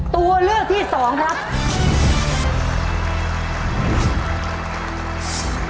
ตัวเลือกที่สองครับ